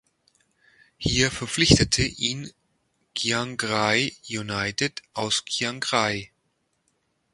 Hier verpflichtete ihn Chiangrai United aus Chiangrai.